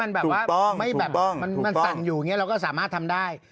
มันแบบว่าถูกต้องไม่แบบมันมันสั่งอยู่อย่างเงี้ยเราก็สามารถทำได้